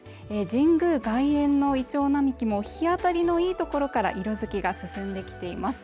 神宮外苑のイチョウ並木も日当たりの良い所から色づきが進んできています